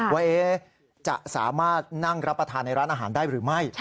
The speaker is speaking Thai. ว่าจะสามารถนั่งรับประทานในร้านอาหารได้หรือไม่